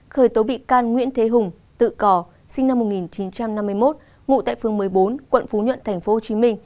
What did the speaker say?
khởi tố bị can nguyễn thế hùng tự cò sinh năm một nghìn chín trăm năm mươi một ngụ tại phương một mươi bốn quận phú nhuận tp hcm